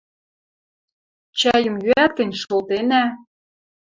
Чӓйӹм йӱӓт гӹнь, шолтенӓ!..